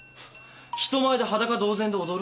人前で裸同然で踊るんだぞ。